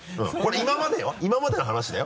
今までの話だよ。